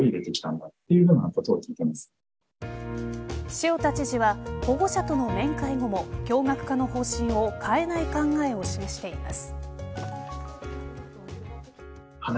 塩田知事は保護者との面会後も共学化の方針を変えない考えを示しています。